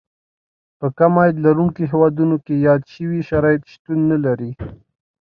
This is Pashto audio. په کم عاید لرونکو هېوادونو کې یاد شوي شرایط شتون نه لري.